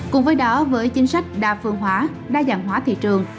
cùng với đó với chính sách đa phương hóa đa dạng hóa thị trường